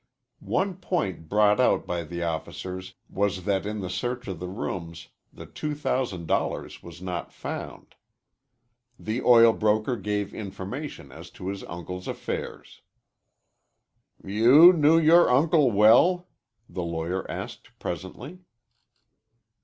One point brought out by the officers was that in the search of the rooms the two thousand dollars was not found. The oil broker gave information as to his uncle's affairs. "You knew your uncle well?" the lawyer asked presently.